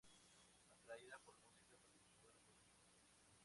Atraída por la música participó en algunos cursos.